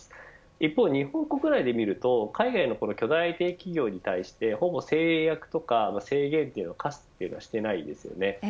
一方、日本国内で見ると海外の巨大ＩＴ企業に対してほぼ制約や制限を課すというのはしていないんですよね。